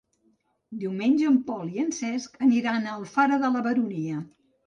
Diumenge en Pol i en Cesc aniran a Alfara de la Baronia.